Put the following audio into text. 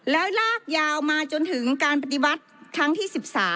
แล้วลากยาวมาจนถึงการปฏิวัติครั้งที่๑๓